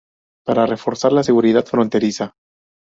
Para reforzar la seguridad fronteriza.